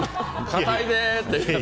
硬いでって。